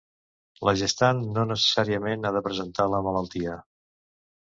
La gestant no necessàriament ha de presentar la malaltia.